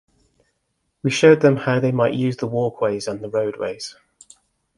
We showed them how they might use the walkways and the roadways.